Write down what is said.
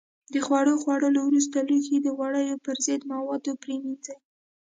د خوړو خوړلو وروسته لوښي د غوړیو پر ضد موادو پرېمنځئ.